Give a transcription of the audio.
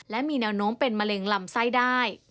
และมีแนวโน้มเป็นมะเร็งลำไส้ได้